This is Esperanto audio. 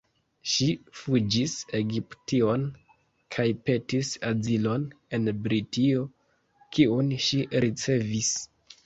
Ŝi fuĝis Egiption kaj petis azilon en Britio, kiun ŝi ricevis.